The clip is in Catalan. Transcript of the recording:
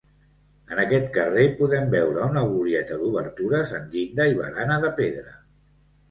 En aquest carrer podem veure una glorieta d'obertures amb llinda i barana de pedra.